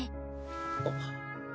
あっ。